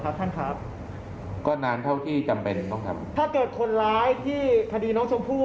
ฟังท่านเพิ่มค่ะบอกว่าถ้าผู้ต้องหาหรือว่าคนก่อเหตุฟังอยู่